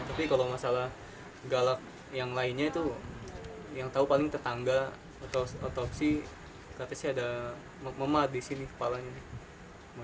tapi kalau masalah galak yang lainnya itu yang tahu paling tetangga atau otopsi tapi sih ada memat di sini kepalanya